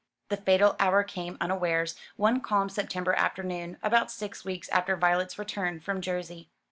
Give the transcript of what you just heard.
The fatal hour came unawares, one calm September afternoon, about six weeks after Violet's return from Jersey.